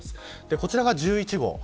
こちらが１１号。